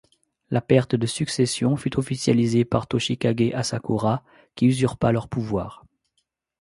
La perte de succession fut officialisée par Toshikage Asakura qui usurpa leur pouvoir.